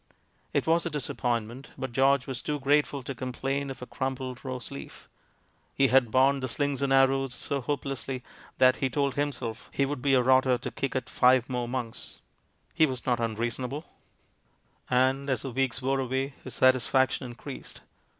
It was a disappointment, but George was too grateful to complain of a crumpled rose leaf. He had borne the slings and arrows so hopelessly that he told himself he would be a rotter to kick at five more months; he was not unreasonable. WITH INTENT TO DEFRAUD 231 And, as the weeks wore away, his satisfaction in creased.